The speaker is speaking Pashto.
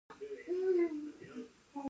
د هایپرټروفي د ارګان لویېدل دي.